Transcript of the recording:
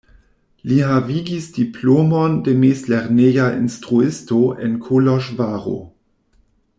Li havigis diplomon de mezlerneja instruisto en Koloĵvaro.